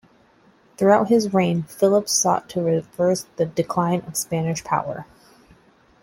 Throughout his reign, Philip sought to reverse the decline of Spanish power.